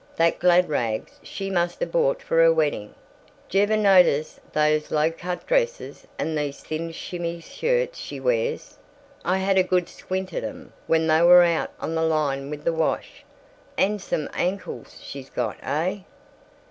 the glad rags she must of bought for her wedding. Jever notice these low cut dresses and these thin shimmy shirts she wears? I had a good squint at 'em when they were out on the line with the wash. And some ankles she's got, heh?"